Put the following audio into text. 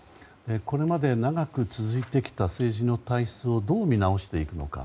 これまで長く続いてきた政治の体質をどう見直していくのか。